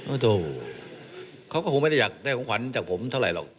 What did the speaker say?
โอ้โหเขาก็คงไม่ได้อยากได้ของขวัญจากผมเท่าไหร่หรอก